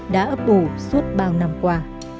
đã ấp ủ suốt bao năm qua